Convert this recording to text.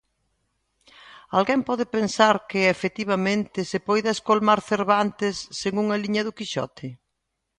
¿Alguén pode pensar que, efectivamente, se poida escolmar Cervantes sen unha liña do Quijote?